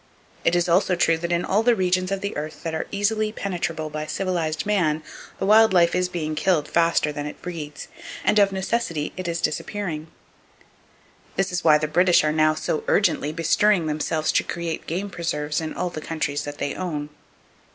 It is also true that in all the regions of the earth that are easily penetrable by civilized man, the wild life is being killed faster than it breeds, and of necessity it is disappearing. This is why the British are now so urgently bestirring themselves to create game preserves in all the countries that they own.